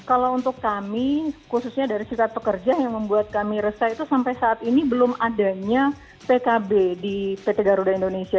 kalau untuk kami khususnya dari serikat pekerja yang membuat kami resah itu sampai saat ini belum adanya pkb di pt garuda indonesia